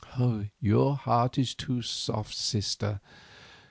"Your heart is too soft, sister.